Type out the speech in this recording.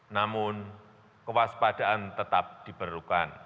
namun kewaspadaan tetap diperlukan